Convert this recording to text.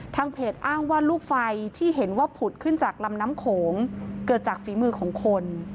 เพจอ้างว่าลูกไฟที่เห็นว่าผุดขึ้นจากลำน้ำโขงเกิดจากฝีมือของคน